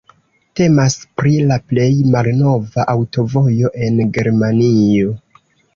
Temas pri la plej malnova aŭtovojo en Germanio.